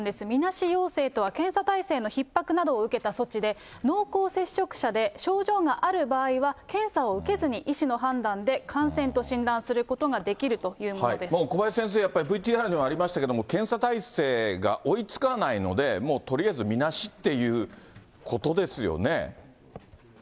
みなし陽性とは、検査体制のひっ迫などを受けた措置で、濃厚接触者で症状がある場合は、検査を受けずに医師の判断で感染と診断することができるというも小林先生、ＶＴＲにもありましたけれども、検査体制が追いつかないので、もう、とりあえずみなしっていうことですよね。